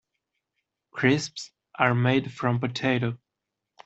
Crisps are made from potato.